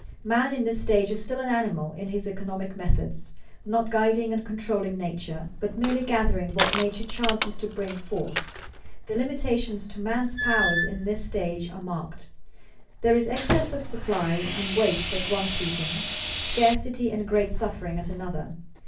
Man in this stage is still an animal in his economic methods, not guiding and controlling nature, but merely gathering what nature chances to bring forth. The limitations to man's powers in this stage are marked. There is excess of supply and waste at one season, scarcity and great suffering at another.